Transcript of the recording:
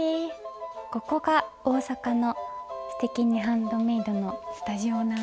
ここが大阪の「すてきにハンドメイド」のスタジオなんだ。